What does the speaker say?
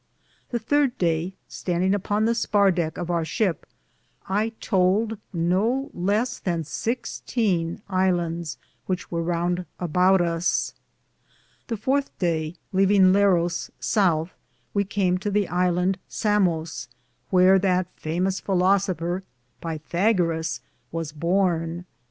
The third daye, standinge upon the spar decke of our shipp, I tould no less than i6 Ilandes which weare Rounde about us. The fourthe day, leavinge Learo^ southe, we came to the Ilande Samose, wheare that famos felosefer Pathagarus was borne.